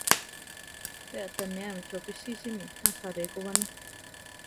Pe aʼtanéame chopí sísimi ajaré ko ba, né.